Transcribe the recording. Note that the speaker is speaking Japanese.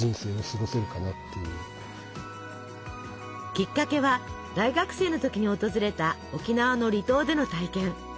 きっかけは大学生の時に訪れた沖縄の離島での体験。